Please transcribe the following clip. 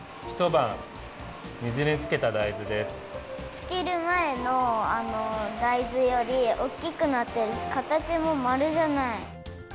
つけるまえの大豆よりおっきくなってるしかたちもまるじゃない。